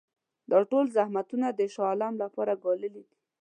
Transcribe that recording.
دا ټول زحمتونه د شاه عالم لپاره ګاللي دي.